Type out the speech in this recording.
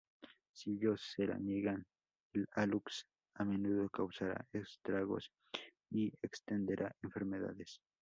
Si ellos se la niegan, el alux a menudo causará estragos y extenderá enfermedades.